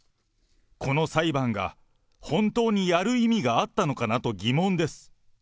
この裁判が本当にやる意味があったのかなと疑問です。